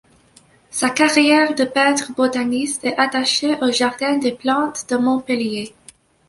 Sa carrière de peintre botaniste est attachée au Jardin des plantes de Montpellier.